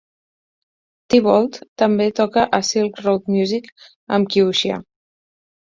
Thibault també toca a Silk Road Music amb Qiuxia.